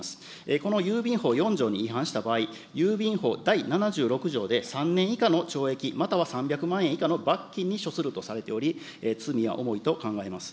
この郵便法４条に違反した場合、郵便法第７６条で、３年以下の懲役または３００万円以下の罰金に処するとされており、罪は重いと考えます。